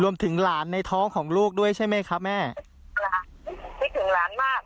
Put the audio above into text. รวมถึงหลานในท้องของลูกด้วยใช่ไหมคะแม่คิดถึงหลานมาก